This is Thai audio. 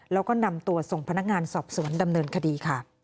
แล้วก็นำตัวส่งพนักงานสอบสวนดำเนินคดีค่ะ